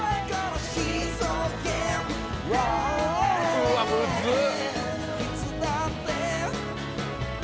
うわっむずっ！